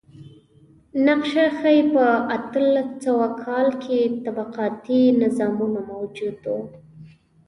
نقشه ښيي په اتلس سوه کال کې طبقاتي نظامونه موجود و.